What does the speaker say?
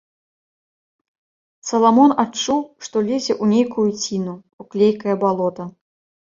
Саламон адчуў, што лезе ў нейкую ціну, у клейкае балота.